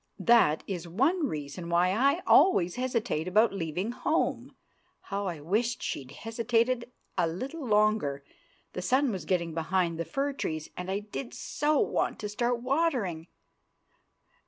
"That is one reason why I always hesitate about leaving home." (How I wished she'd hesitated a little longer! The sun was getting behind the fir trees, and I did so want to start watering!)